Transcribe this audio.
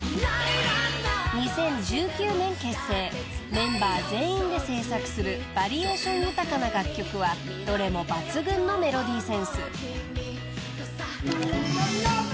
［メンバー全員で制作するバリエーション豊かな楽曲はどれも抜群のメロディーセンス］